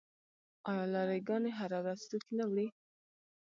آیا لاری ګانې هره ورځ توکي نه وړي؟